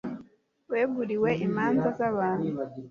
weguriwe imanza z'abantu